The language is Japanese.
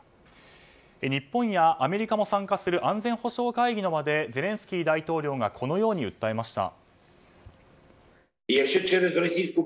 日本やアメリカも参加する場でゼレンスキー大統領がこのように訴えました。